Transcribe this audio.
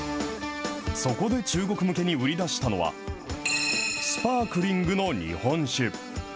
そこで中国向けに売り出したのは、スパークリングの日本酒。